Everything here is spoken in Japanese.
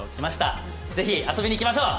ぜひ遊びに行きましょう！